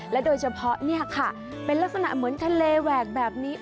โดยเฉพาะเนี่ยค่ะเป็นลักษณะเหมือนทะเลแหวกแบบนี้